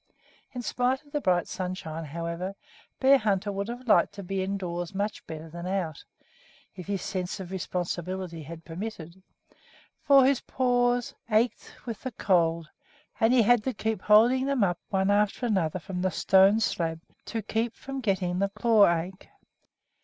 In spite of the bright sunshine, however, Bearhunter would have liked to be indoors much better than out, if his sense of responsibility had permitted; for his paws ached with the cold, and he had to keep holding them up one after another from the stone slab to keep from getting the "claw ache."